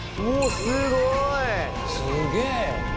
すげえ。